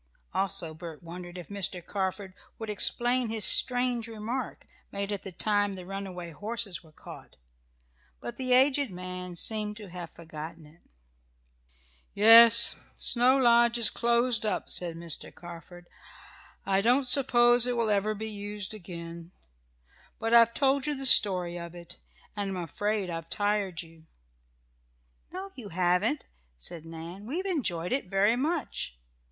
Also Bert wondered if Mr. Carford would explain his strange remark, made at the time the runaway horses were caught. But the aged man seemed to have forgotten it. "Yes, Snow Lodge is closed up," said Mr. Carford. "I don't suppose it will ever be used again. But I've told you the story of it, and I'm afraid I've tired you." "No you haven't," said Nan. "We enjoyed it very much."